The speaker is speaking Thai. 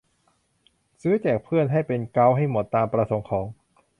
ซื้อแจกเพื่อน ให้เป็นเก๊าท์ให้หมด ตามประสงค์ของ